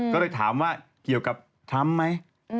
ก็เลยถามว่าเกี่ยวกับทำไม่